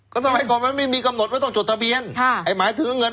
สมัยก่อนมันไม่มีกำหนดว่าต้องจดทะเบียนค่ะไอ้หมายถึงเงิน